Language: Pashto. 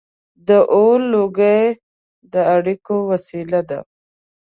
• د اور لوګي د اړیکو وسیله وه.